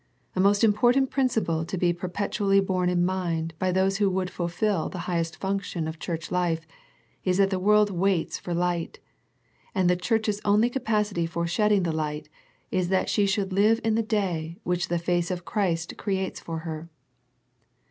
A most important principle to be perpetually borne in mind by those who would fulfil the highest function of Church life is that the world waits for light, and the Church's only capacity for shedding the light, yj is that she should live in the day which the ^ace of Christ creates for her.